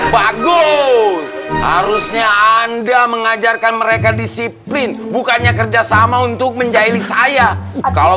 bagus harusnya anda mengajarkan mereka disiplin bukannya kerjasama untuk menjahili saya kalau